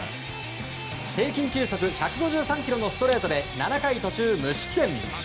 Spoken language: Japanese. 平均球速１５３キロのストレートで７回途中、無失点。